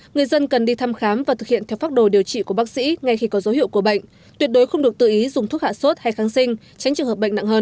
người dân cần đi thăm khám và thực hiện theo pháp đồ điều trị của bác sĩ ngay khi có dấu hiệu của bệnh tuyệt đối không được tự ý dùng thuốc hạ sốt hay kháng sinh tránh trường hợp bệnh nặng hơn